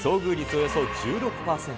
およそ１６％。